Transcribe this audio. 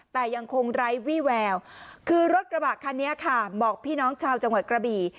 แต่ยังคงไร้วี่แววคือรถกระบะคันนี้ค่ะบอกพี่น้องชาวจังหวัดกระบี่